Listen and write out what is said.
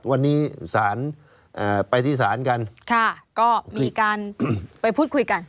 วันนี้ศาลไปที่ศาลกันค่ะก็มีการไปพูดคุยกัน